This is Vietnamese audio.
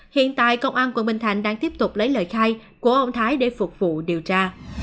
hiện tại công an quận bình thạnh đang tiếp tục lấy lời khai của ông thái để phục vụ điều tra